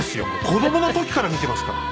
子どもの時から見てますから。